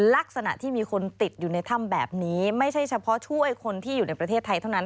ลักษณะที่มีคนติดอยู่ในถ้ำแบบนี้ไม่ใช่เฉพาะช่วยคนที่อยู่ในประเทศไทยเท่านั้น